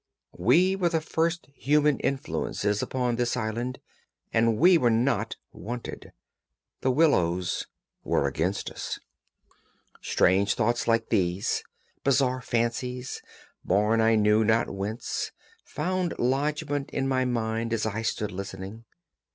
We were the first human influences upon this island, and we were not wanted. The willows were against us. Strange thoughts like these, bizarre fancies, borne I know not whence, found lodgment in my mind as I stood listening.